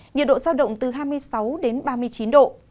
nhiệt độ giao động từ hai mươi sáu đến ba mươi chín độ